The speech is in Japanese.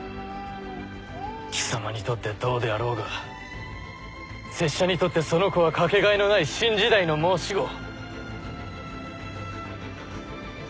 貴様にとってどうであろうが拙者にとってその子はかけがえのない新時代の申し子。